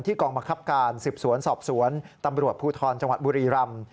กองบังคับการสืบสวนสอบสวนตำรวจภูทรจังหวัดบุรีรำ